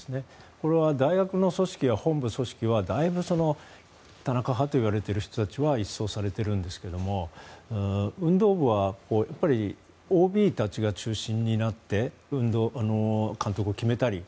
これは大学の組織や本部組織はだいぶ田中派といわれている人たちは一掃されているんですが運動部はやっぱりＯＢたちが中心になって監督を決めたり。